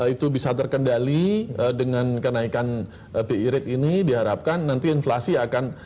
itu bisa terkendali dengan kenaikan bi rate ini diharapkan nanti inflasi akan